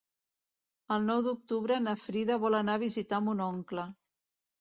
El nou d'octubre na Frida vol anar a visitar mon oncle.